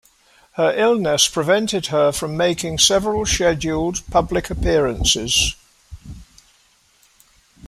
Her illness prevented her from making several scheduled public appearances.